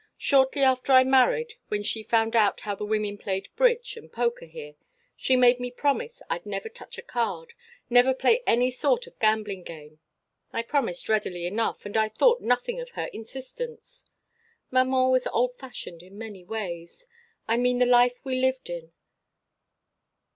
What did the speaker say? Shortly after I married, when she found out how the women played bridge and poker here, she made me promise I'd never touch a card, never play any sort of gambling game. I promised readily enough, and I thought nothing of her insistence. Maman was old fashioned in many ways I mean the life we lived in.